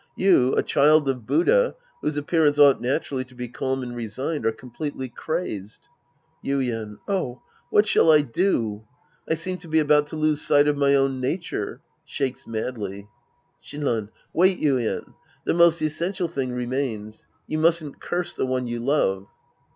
You, a child of Buddha whose appearance ought naturally to be calm and resigned, are completely crazed. Yuien. Oh ! What shall I do ? I seem to be about to lose sight of my own nature. {Shakes madly.) Shinran. Wait, Yuien. The most essential thing remains. You mustn't curse the one you love.